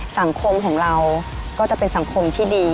สังคมของเราก็จะเป็นสังคมที่ดี